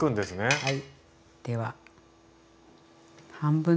はい。